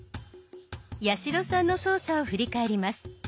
八代さんの操作を振り返ります。